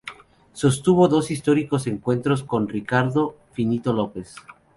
Sostuvo dos históricos encuentros con Ricardo "Finito" López.